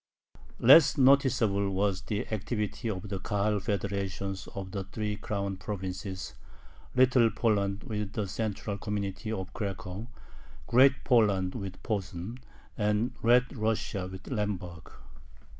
Less noticeable was the activity of the Kahal federations of the three "Crown provinces": Little Poland with the central community of Cracow, Great Poland with Posen, and Red Russia with Lemberg.